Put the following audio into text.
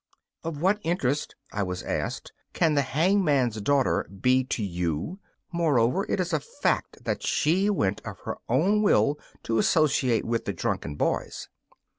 'Of what interest,' I was asked, 'can the hangman's daughter be to you? Moreover, it is a fact that she went of her own will to associate with the drunken boys.